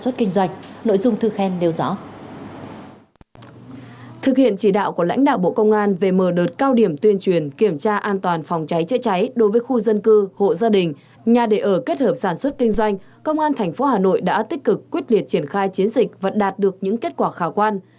thực hiện chỉ đạo của lãnh đạo bộ công an về mở đợt cao điểm tuyên truyền kiểm tra an toàn phòng cháy chữa cháy đối với khu dân cư hộ gia đình nhà đề ở kết hợp sản xuất kinh doanh công an tp hà nội đã tích cực quyết liệt triển khai chiến dịch và đạt được những kết quả khả quan